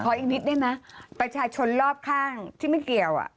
อีกนิดได้ไหมประชาชนรอบข้างที่ไม่เกี่ยว